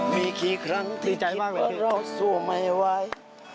มีกี่ครั้งที่คิดว่าเราสู้ไม่ไหว